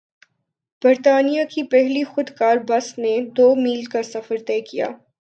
برطانیہ کی پہلی خودکار بس نے دو میل کا سفر طے کیا